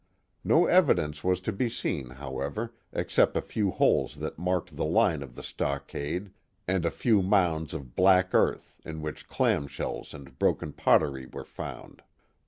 No evidence was to be seen, however, except a few holes that marked the line of the stockade and a few mounds of black earth in which clam shells and broken pottery were found.